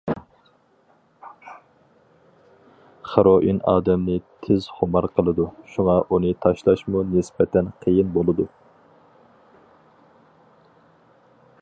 خىروئىن ئادەمنى تېز خۇمار قىلىدۇ، شۇڭا ئۇنى تاشلاشمۇ نىسبەتەن قىيىن بولىدۇ.